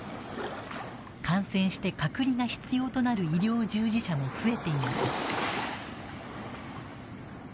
感染して隔離が必要となる医療従事者も増えています。